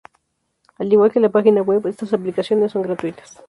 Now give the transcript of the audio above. Al igual que la página web, estas aplicaciones son gratuitas.